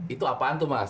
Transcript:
itu apaan tuh mas